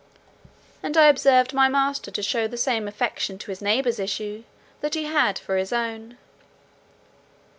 And I observed my master to show the same affection to his neighbour's issue, that he had for his own.